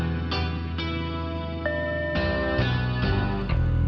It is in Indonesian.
nasik nasik nasik